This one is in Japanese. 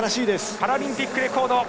パラリンピックレコード。